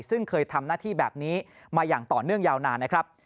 ซึ่งเคยทำหน้าที่แบบนี้มาอย่างต่อเนื่องยาวนานนะครับ